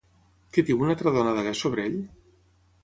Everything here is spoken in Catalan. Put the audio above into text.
Què diu una altra dona d'allà sobre ell?